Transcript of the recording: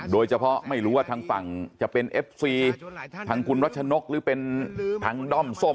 โดยเฉพาะไม่รู้ว่าทางฝั่งจะเป็นเอฟซีทางคุณรัชนกหรือเป็นทางด้อมส้ม